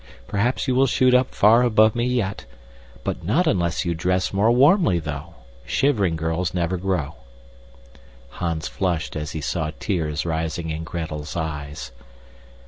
Perhaps you will shoot up far above me yet, but not unless you dress more warmly, though. Shivering girls never grow." Hans flushed as he saw tears rising in Gretel's eyes.